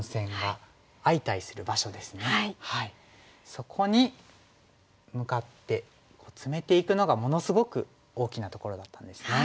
そこに向かってツメていくのがものすごく大きなところだったんですね。